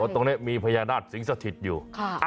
ตรงนี้มีพญานาคสิงสถิตอยู่